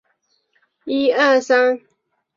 祖父黄厥美。